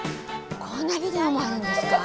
こんなビデオもあるんですか？